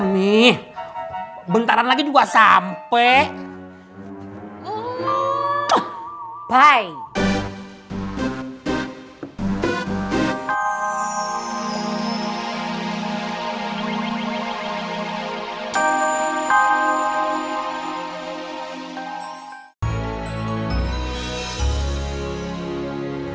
nih bentaran lagi juga sampai bye bye